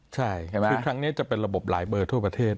ใช่ไหมคือครั้งนี้จะเป็นระบบหลายเบอร์ทั่วประเทศ